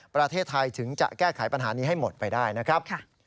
ประเทศไทยถึงจะแก้ไขปัญหานี้ให้หมดไปได้นะครับ